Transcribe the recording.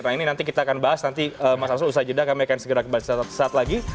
nah ini nanti kita akan bahas nanti mas arsul usai jeda kami akan segera kembali sesaat lagi